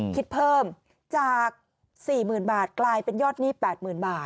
คิดเพิ่มจากสี่หมื่นบาทกลายเป็นยอดหนี้แปดหมื่นบาท